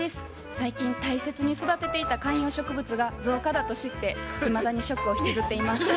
最近大切に育てていた観葉植物が造花だと知っていまだにショックを引きずっています。